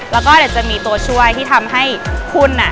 แล้วก็เดี๋ยวจะมีตัวช่วยที่ทำให้คุณ